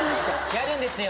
やるんですよ